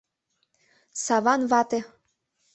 Саван вате!